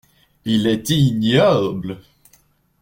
Il est ignoble.